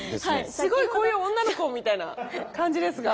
すごいこういう女の子みたいな感じですが。